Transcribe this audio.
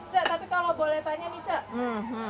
cak tapi kalau boleh tanya nih cak